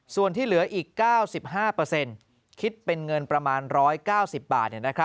ส่วนที่เหลืออีก๙๕เปอร์เซ็นต์คิดเป็นเงินประมาณ๑๙๐บาท